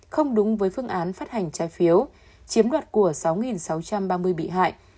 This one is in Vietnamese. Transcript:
không đúng với phương án phát hành trái phiếu chiếm đoạt của sáu sáu trăm ba mươi bị hại